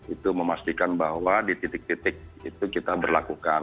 itu memastikan bahwa di titik titik itu kita berlakukan